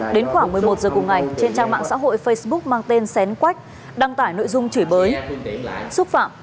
đến khoảng một mươi một giờ cùng ngày trên trang mạng xã hội facebook mang tên xén quách đăng tải nội dung chửi bới xúc phạm